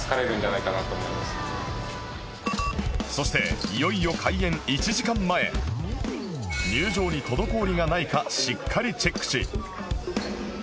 そしていよいよ入場に滞りがないかしっかりチェックし